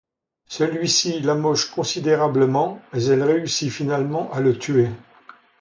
Celui-ci l'amoche considérablement mais elle réussit finalement à le tuer.